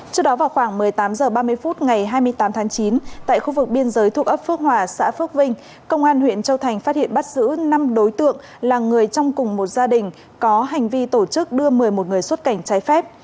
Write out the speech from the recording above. trước đó vào khoảng một mươi tám h ba mươi phút ngày hai mươi tám tháng chín tại khu vực biên giới thuộc ấp phước hòa xã phước vinh công an huyện châu thành phát hiện bắt giữ năm đối tượng là người trong cùng một gia đình có hành vi tổ chức đưa một mươi một người xuất cảnh trái phép